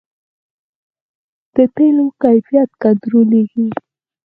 د تیلو کیفیت کنټرولیږي؟